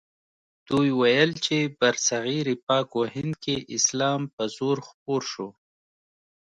دوی ویل چې برصغیر پاک و هند کې اسلام په زور خپور شو.